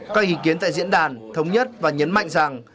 các ý kiến tại diễn đàn thống nhất và nhấn mạnh rằng